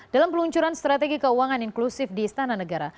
dalam peluncuran strategi keuangan inklusif di istana negara